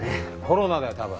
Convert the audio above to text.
コロナだよ多分。